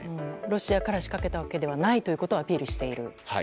ロシアから仕掛けたわけではないとアピールしていると。